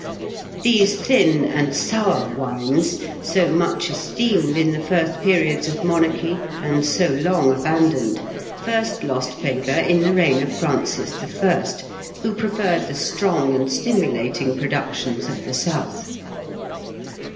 These thin and sour wines, so much esteemed in the first periods of monarchy and so long abandoned, first lost favour in the reign of Francis I., who preferred the strong and stimulating productions of the South.